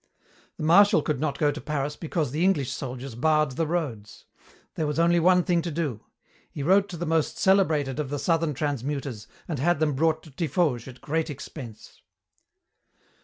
The Marshal could not go to Paris because the English soldiers barred the roads. There was only one thing to do. He wrote to the most celebrated of the southern transmuters, and had them brought to Tiffauges at great expense.